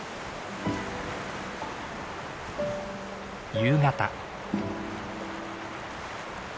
夕方。